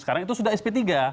sekarang itu sudah sp tiga